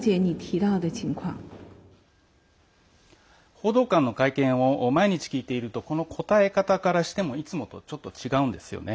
報道官の会見を毎日聞いているとこの答え方からしてもいつもと、ちょっと違うんですよね。